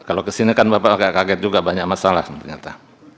kalau kesini kan bapak agak kaget juga banyak masalah ternyata